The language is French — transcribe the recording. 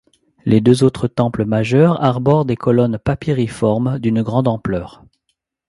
Les deux autres temples majeurs arborent des colonnes papyriformes d'une grande ampleur.